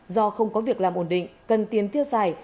do không có việc làm ổn định cần tiền tiêu xài